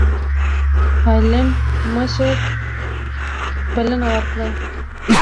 هالنډ مشر بلنه ورکړه.